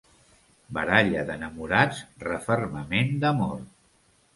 Baralla d'enamorats, refermament d'amor.